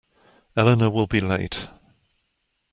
Elena will be late.